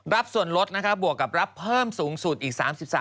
ส่วนลดนะครับบวกกับรับเพิ่มสูงสุดอีก๓๓